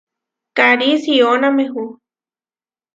Karí siʼónamehu.